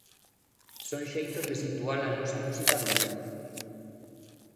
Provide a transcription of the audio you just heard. Son xeitos de situar a nosa música no mundo.